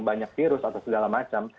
banyak virus atau segala macam